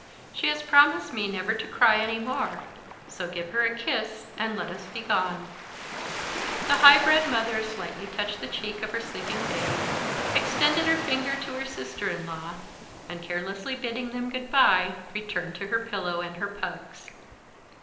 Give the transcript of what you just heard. "She has promised me never to cry any more; so give her a kiss, and let us be gone." The high bred mother slightly touched the cheek of her sleeping babe, extended her finger to her sister in law, and carelessly bidding them good bye, returned to her pillow and her pugs.